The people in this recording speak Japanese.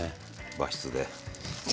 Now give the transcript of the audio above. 和室で。